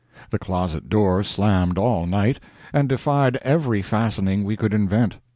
The closet door slammed all night, and defied every fastening we could invent.